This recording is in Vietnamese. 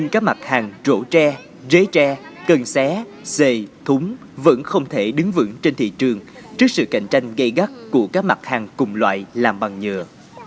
chỗ tre rế tre cân xé xề thúng vẫn không thể đứng vững trên thị trường trước sự cạnh tranh gây gắt của các mặt hàng cùng loại làm bằng nhựa